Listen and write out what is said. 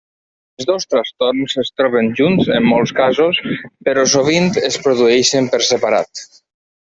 Els dos trastorns es troben junts en molts casos, però sovint es produeixen per separat.